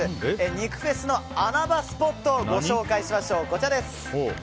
肉フェスの穴場スポットをご紹介しましょう。